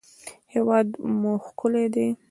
هېواد مو ښکلی دی